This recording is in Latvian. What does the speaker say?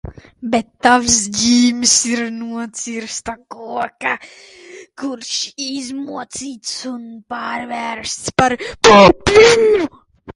Bet tavs ģīmis ir uz nocirsta koka, kurš izmocīts un pārvērsts par papīru.